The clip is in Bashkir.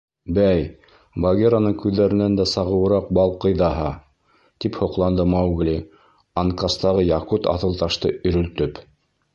— Бәй, Багираның күҙҙәренән дә сағыуыраҡ балҡый ҙаһа! — тип һоҡланды Маугли, анкастағы яҡут аҫылташты өйрөлтөп.